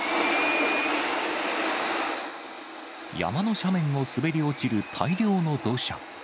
山の斜面を滑り落ちる大量の土砂。